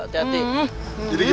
jadi gimana bu